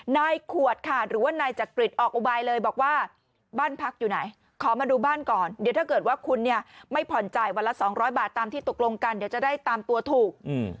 นายขวดค่ะหรือว่านายจักริตออกอุบายเลยบอกว่าบ้านพักอยู่ไหนขอมาดูบ้านก่อนเดี๋ยวถ้าเกิดว่าคุณเนี่ยไม่ผ่อนจ่ายวันละ๒๐๐บาทตามที่ตกลงกันเดี๋ยวจะได้ตามตัวถูก